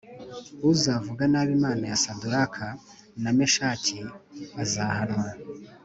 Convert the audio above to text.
uzavuga nabi Imana ya Saduraka na Meshaki azahanwa